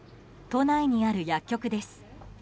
都内にある薬局です。